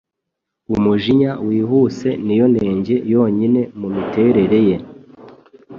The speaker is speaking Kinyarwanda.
Umujinya wihuse niyo nenge yonyine mumiterere ye.